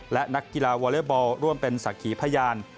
และนักกีฬาวอเล็กบอลร่วมเป็นสักขีพยาน